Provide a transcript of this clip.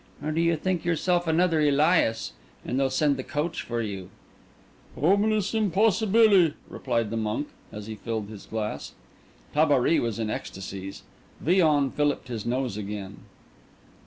Or do you think yourself another Elias—and they'll send the coach for you?" "Hominibus impossibile," replied the monk, as he filled his glass. Tabary was in ecstasies. Villon filliped his nose again.